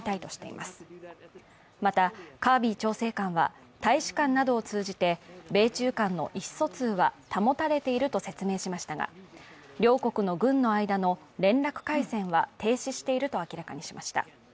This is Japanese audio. また、カービー調整官は大使館などを通じて米中間の意思疎通は保たれていると説明しましたが、両国間の軍の間の連絡回線は停止していると明らかにしました。